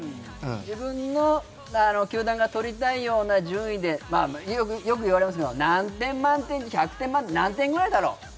自分の球団がとりたいような順位で、よく言われますけど、百点満点で何点ぐらいだろう。